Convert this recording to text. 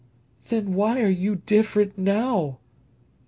"Then why are you different now?"